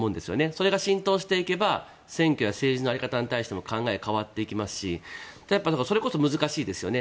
それが浸透していけば選挙や政治の在り方に対しても考えが変わっていきますしそれこそ難しいですよね。